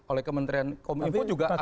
oleh kementerian komunikasi juga agak